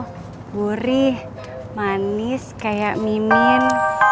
hai burih manis kayak mimin